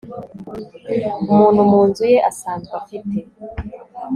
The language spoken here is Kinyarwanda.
umuntu mu nzu ye asanzwe afite